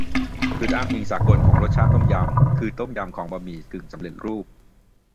จุดอ้างอิงสากลของรสชาติต้มยำ คือต้มยำของบะหมี่กึ่งสำเร็จรูป